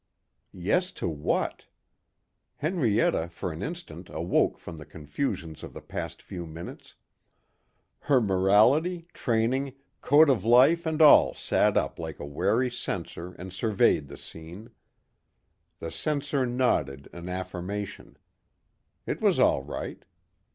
Yes to what? Henrietta for an instant awoke from the confusions of the past few minutes. Her morality, training, code of life and all sat up like a wary censor and surveyed the scene. The censor nodded an affirmation. It was all right.